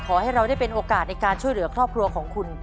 ขอให้เราได้เป็นโอกาสในการช่วยเหลือครอบครัวของคุณ